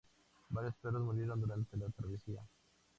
Varios perros murieron durante la travesía.